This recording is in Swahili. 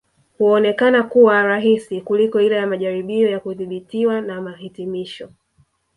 Huonekana kuwa rahisi kuliko ile ya majaribio ya kudhibitiwa na mahitimisho